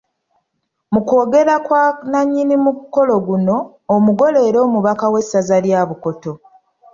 Mu kwogera kwa nnannyini mukolo guno, omugole era omubaka w’essaza lya Bukoto.